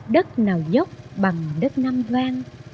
đất nào dốc bằng đất năm vang